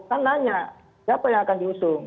kan nanya siapa yang akan diusung